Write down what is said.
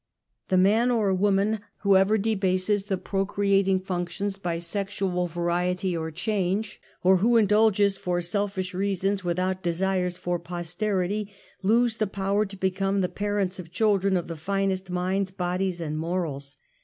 The man or woman whoever debases the procreating functions b}" sexual variety or change, or Avho in dulges for selfish reasons without desires for posterity, /lose the power to become the parents of children of \the finest minds, bodies and morals.